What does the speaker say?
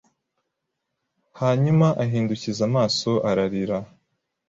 Hanyuma ahindukiza amaso arira